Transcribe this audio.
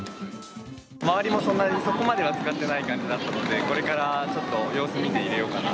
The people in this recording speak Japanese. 周りもそんなに、そこまでは使ってない感じだったので、これからちょっと様子見て入れようかな。